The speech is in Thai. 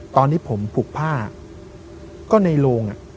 ตอนที่ผมผูกผ้าก็ในโรง